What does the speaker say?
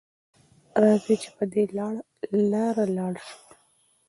راځئ چې په دې لاره لاړ شو.